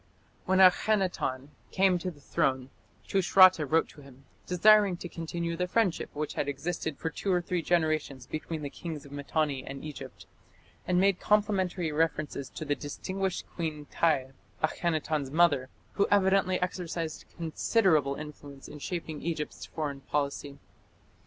When Akhenaton came to the throne Tushratta wrote to him, desiring to continue the friendship which had existed for two or three generations between the kings of Mitanni and Egypt, and made complimentary references to "the distinguished Queen Tiy", Akhenaton's mother, who evidently exercised considerable influence in shaping Egypt's foreign policy.